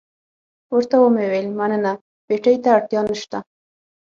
ورته ومې ویل مننه، پېټي ته اړتیا نشته.